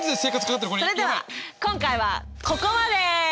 それでは今回はここまで！